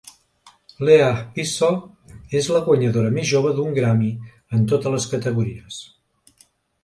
Leah Peasall és la guanyadora més jove d'un Grammy en totes les categories.